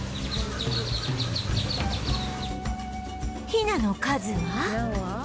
ヒナの数は